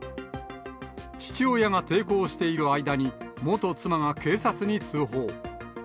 父親が抵抗している間に、元妻が警察に通報。